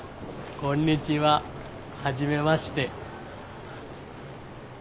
こんにちは初めまして。